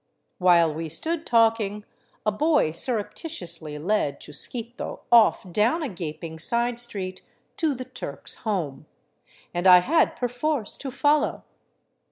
While we stood talking, a boy surreptitiously led Chusquito off down a gaping side street to the " Turk's " home, and I had perforce to follow.